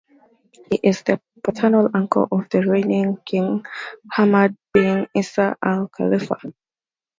He is the paternal uncle of the reigning King Hamad bin Isa Al Khalifa.